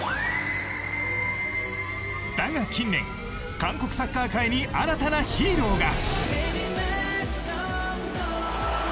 だが近年、韓国サッカー界に新たなヒーローが。